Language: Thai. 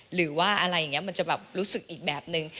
หรือว่าอะไรอย่างนี้มันจะแบบรู้สึกอีกแบบนึง